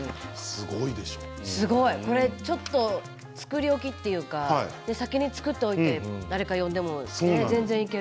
すごい。作り置きというか先に作っておいて誰か呼んでも全然いける。